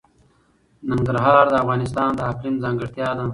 ننګرهار د افغانستان د اقلیم ځانګړتیا ده.